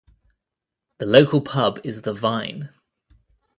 The local pub is the Vine.